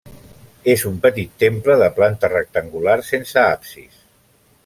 És un petit temple de planta rectangular sense absis.